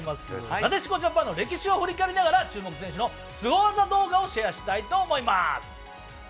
なでしこジャパンの歴史を振り返りながら注目選手のスゴ技動画をシェアしたいと思います。